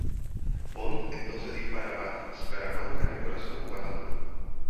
Bond entonces dispara a Scaramanga en el corazón, matándolo.